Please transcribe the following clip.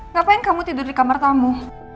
ngapain kamu tidur di kamar tamu